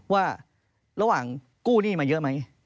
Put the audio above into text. ว่าระหว่างกู้หนี้มาเยอะไหม